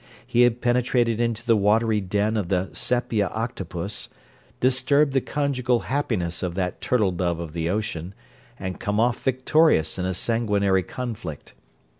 He had penetrated into the watery den of the Sepia Octopus, disturbed the conjugal happiness of that turtle dove of the ocean, and come off victorious in a sanguinary conflict.